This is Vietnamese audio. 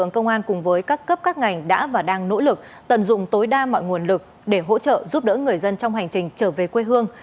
các cấp các ngành đã và đang nỗ lực tận dụng tối đa mọi nguồn lực để hỗ trợ giúp đỡ người dân trong hành trình trở về quê hương